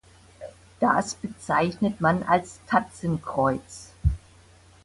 Das bezeichnet man als Tatzenkreuz.